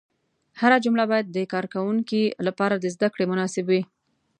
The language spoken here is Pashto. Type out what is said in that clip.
هره جمله باید د کاروونکي لپاره د زده کړې مناسب وي.